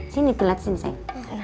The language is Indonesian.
sini kelihatan sini sayang